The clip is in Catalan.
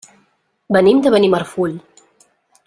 Venim de Benimarfull.